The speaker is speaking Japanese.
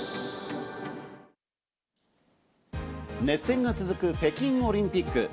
熱戦が続く北京オリンピック。